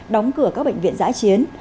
đóng cửa các bệnh viện giã chiến